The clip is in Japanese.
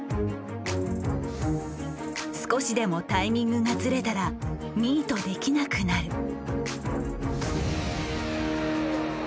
少しでもタイミングがずれたらミートできなくなる。